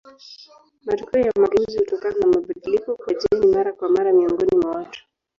Matokeo ya mageuzi hutokana na mabadiliko kwa jeni mara kwa mara miongoni mwa watu.